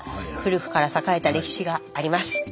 古くから栄えた歴史があります。